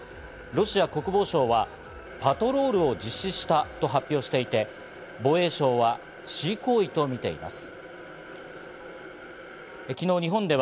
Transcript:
ロシア国防省はパトロールを実施したと発表していて、防衛省は示威行為とみています。